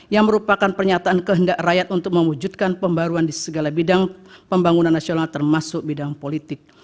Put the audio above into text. yang merupakan pernyataan kehendak rakyat untuk mewujudkan pembaruan di segala bidang pembangunan nasional termasuk bidang politik